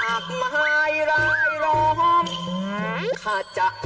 ขอทำเผื่อชาติศาสนา